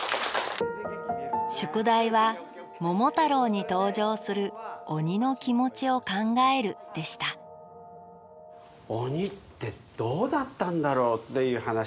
宿題は「桃太郎」に登場する鬼の気持ちを考えるでした鬼ってどうだったんだろうっていう話。